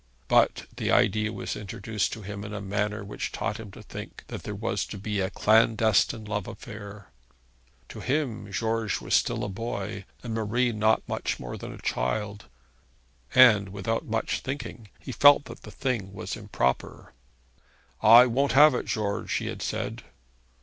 But the idea was introduced to him in a manner which taught him to think that there was to be a clandestine love affair. To him George was still a boy, and Marie not much more than a child, and without much thinking he felt that the thing was improper. 'I won't have it, George,' he had said.